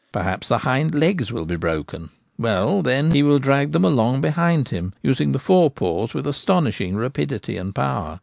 Perhaps the hind legs will be broken ; well, then he will drag them along behind him, using the fore paws with astonish ing rapidity and power.